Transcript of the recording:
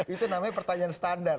itu namanya pertanyaan standar